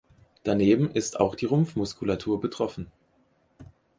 Daneben ist auch die Rumpfmuskulatur betroffen.